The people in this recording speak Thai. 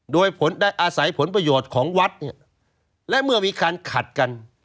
โดยผลได้อาศัยผลประโยชน์ของวัดเนี่ยและเมื่อมีการขัดกัน